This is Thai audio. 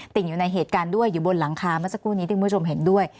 อยู่ในเหตุการณ์ด้วยอยู่บนหลังคาเมื่อสักครู่นี้ที่คุณผู้ชมเห็นด้วย